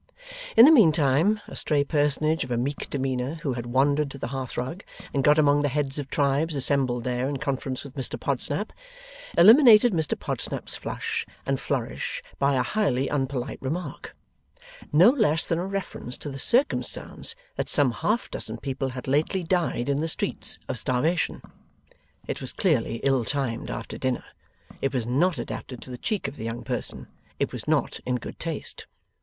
In the mean time a stray personage of a meek demeanour, who had wandered to the hearthrug and got among the heads of tribes assembled there in conference with Mr Podsnap, eliminated Mr Podsnap's flush and flourish by a highly unpolite remark; no less than a reference to the circumstance that some half dozen people had lately died in the streets, of starvation. It was clearly ill timed after dinner. It was not adapted to the cheek of the young person. It was not in good taste.